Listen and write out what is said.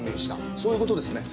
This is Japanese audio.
そういう事ですね？